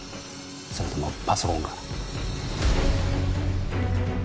それともパソコンか？